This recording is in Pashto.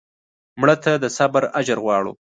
مړه ته د صبر اجر غواړو